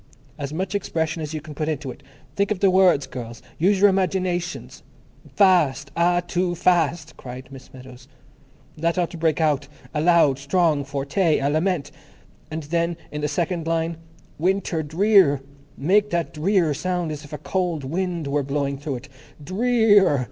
As much expression as you can put into it. Think of the words, girls. Use your imaginations. Fast! Ah, too Fast," cried Miss Meadows. "That ought to break out—a loud, strong forte—a lament. And then in the second line, Winter Drear, make that Drear sound as if a cold wind were blowing through it. _Dre ear!